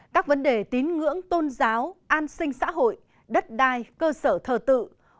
các vấn đề tín ngưỡng tôn giáo an sinh xã hội đất đai cơ sở thờ tự